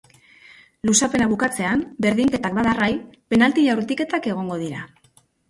Luzapena bukatzean berdinketak badarrai, penalti jaurtiketak egongo dira.